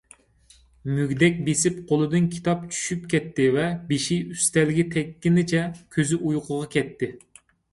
مۈگدەك بېسىپ قولىدىن كىتاب چۈشۈپ كەتتى ۋە بېشى ئۈستەلگە تەگكىنىچە كۆزى ئۇيقۇغا كەتتى.